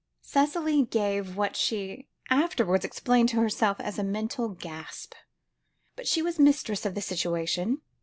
Cicely gave what she afterwards explained to herself as a mental gasp, but she was mistress of the situation.